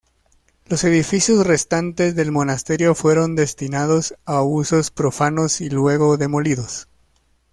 Los edificios restantes del monasterio fueron destinados a usos profanos y luego demolidos.